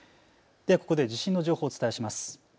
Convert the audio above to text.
ではここで地震の情報をお伝えします。